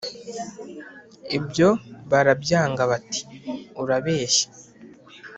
ibyo barabyanga bati : urabeshya